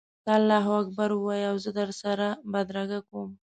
ته الله اکبر ووایه او زه در سره بدرګه کوم.